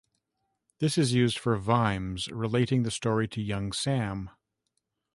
This is used for Vimes relating the story to Young Sam.